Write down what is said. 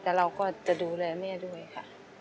แต่เราก็จะดูแลแม่ด้วยค่ะ